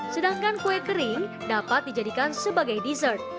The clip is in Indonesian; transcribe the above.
sedangkan kue kering dapat dijadikan sebagai dessert